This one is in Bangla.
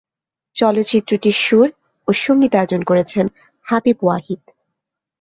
চলচ্চিত্রটির সুর ও সঙ্গীতায়োজন করেছেন হাবিব ওয়াহিদ।